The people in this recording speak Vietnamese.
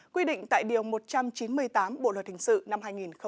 quy định tại điều một trăm chín mươi tám bộ luật hình sự năm hai nghìn một mươi năm